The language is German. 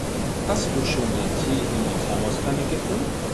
Hast du schon den Tee in die Thermoskanne gefüllt?